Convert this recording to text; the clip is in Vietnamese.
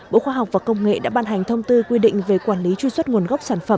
bộ khoa học và công nghệ đã ban hành thông tư quy định về quản lý truy xuất nguồn gốc sản phẩm